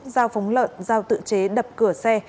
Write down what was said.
giao phóng lợn giao tự chế đập cửa xe